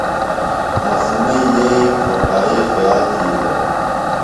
عاصمئی یئییۡ صفائی خِیال تھی دےۡ۔